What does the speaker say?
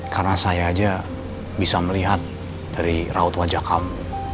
karena saya aja bisa melihat dari raut wajah kamu